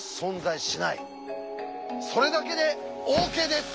それだけでＯＫです！